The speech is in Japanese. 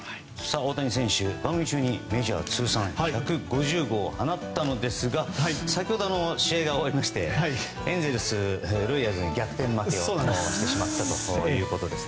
大谷選手、番組中にメジャー通算１５０号を放ったんですが先ほど、試合が終わりましてエンゼルスはロイヤルズに逆転負けをしてしまったということです。